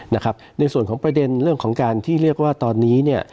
ในส่วนของประเด็นเรื่องของการที่เรียกว่าตอนนี้เนี่ย